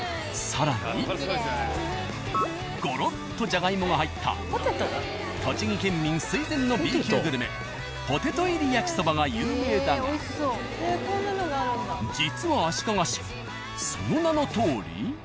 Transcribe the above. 更にゴロッとじゃがいもが入った栃木県民垂涎のＢ級グルメポテト入り焼きそばが有名だが実は足利市その名のとおり。